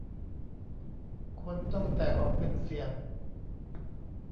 คนต้องแตกออกเป็นเสี่ยง